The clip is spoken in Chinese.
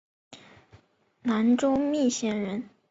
南州密县人。